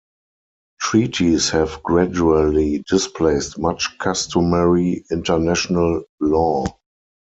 Treaties have gradually displaced much customary international law.